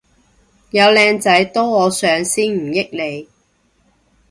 有靚仔都我上先唔益你